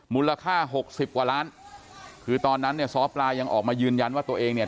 มูลค่าหกสิบกว่าล้านคือตอนนั้นเนี่ยซ้อปลายังออกมายืนยันว่าตัวเองเนี่ย